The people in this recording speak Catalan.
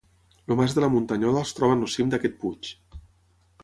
El Mas de la Muntanyola es troba en el cim d'aquest puig.